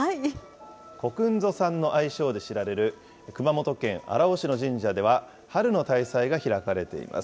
こくんぞさんの愛称で知られる、熊本県荒尾市の神社では、春の大祭が開かれています。